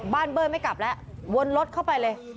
เบิ้ลไม่กลับแล้ววนรถเข้าไปเลย